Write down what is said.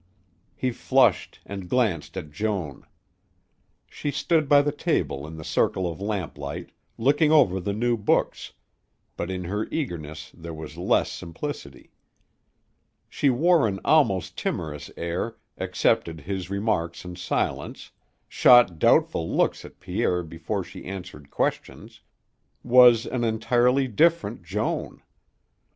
He flushed and glanced at Joan. She stood by the table in the circle of lamplight, looking over the new books, but in her eagerness there was less simplicity. She wore an almost timorous air, accepted his remarks in silence, shot doubtful looks at Pierre before she answered questions, was an entirely different Joan.